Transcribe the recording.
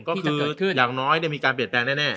ก็คืออย่างน้อยมีการเปลี่ยนแปลงแน่